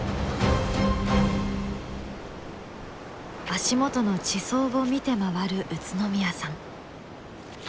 足元の地層を見て回る宇都宮さん。